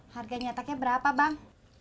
harganya taknya berapa bang